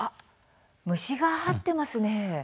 虫がはっていますね。